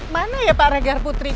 mana ya para garputri